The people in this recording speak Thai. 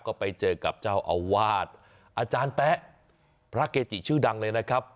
ก็ไปเจอกับเจ้าอาวาสอาจารย์แป๊ะพระเกจิชื่อดังเลยนะครับ